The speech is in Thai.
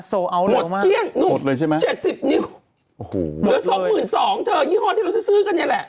โซลเอาท์เร็วมากหมดเลยใช่ไหมหมดจริง๗๐นิ้วหรือ๒๒๐๐๐เธอยี่ห้อที่เราซื้อกันเนี่ยแหละ